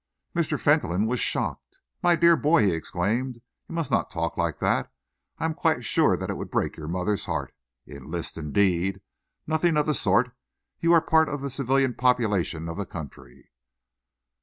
Mr. Fentolin was shocked. "My dear boy!" he exclaimed. "You must not talk like that! I am quite sure that it would break your mother's heart. Enlist, indeed! Nothing of the sort. You are part of the civilian population of the country."